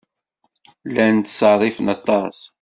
Llan ttṣerrifen aṭas.